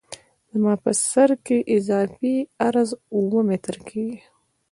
زما په سرک کې اضافي عرض اوه متره کیږي